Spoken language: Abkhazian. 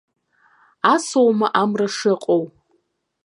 Асоума амра шыҟоу?